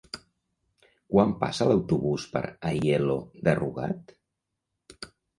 Quan passa l'autobús per Aielo de Rugat?